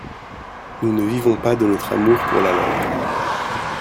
Nous ne vivons pas de notre amour pour la langue.